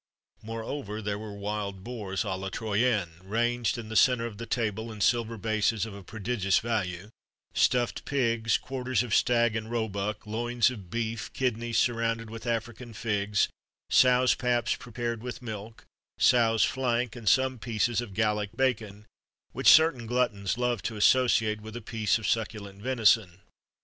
Moreover, there were wild boars à la Troyenne,[XXXV 63] ranged in the centre of the table, in silver basins of a prodigious value; stuffed pigs, quarters of stag and roebuck, loins of beef, kidneys surrounded with African figs,[XXXV 64] sows' paps prepared with milk,[XXXV 65] sows' flank,[XXXV 66] and some pieces of Gallic bacon,[XXXV 67] which certain gluttons loved to associate with a piece of succulent venison.